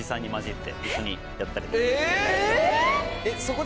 えっ？